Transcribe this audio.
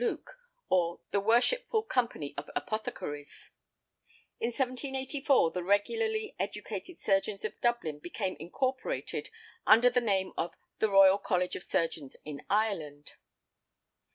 Luke," or "The worshipful Company of Apothecaries." In 1784 the regularly educated surgeons of Dublin became incorporated under the name of "The Royal College of Surgeons in Ireland."